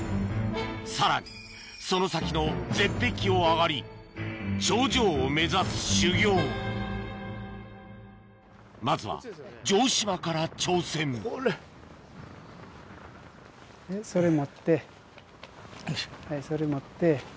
さらにその先の絶壁を上がり頂上を目指す修行まずは城島から挑戦それ持ってそれ持って。